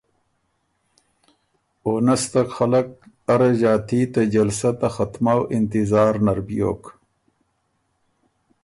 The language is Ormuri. او نستک خلق اره ݫاتی ته جلسه ته ختمَؤ انتظار نر بیوک